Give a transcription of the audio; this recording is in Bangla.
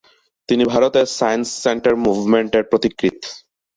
তিনি ভারতের সায়েন্স সেন্টার মুভমেন্ট এর পথিকৃৎ।